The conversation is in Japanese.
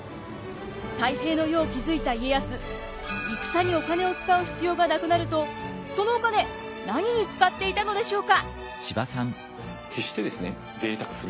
太平の世を築いた家康戦にお金を使う必要がなくなるとそのお金何に使っていたのでしょうか？